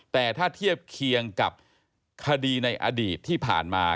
แต่ถ้าเทียบเคียงกับคดีในอดีตที่ผ่านมา